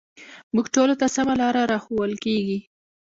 موږ ټولو ته سمه لاره راښوول کېږي